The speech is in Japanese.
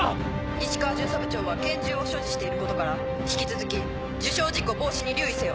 石川巡査部長は拳銃を所持していることから引き続き受傷事故防止に留意せよ。